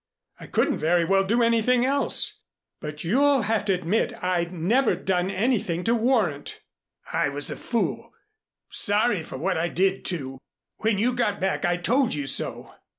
I couldn't very well do anything else. But you'll have to admit I'd never done anything to warrant " "I was a fool. Sorry for what I did, too. When you got back I told you so.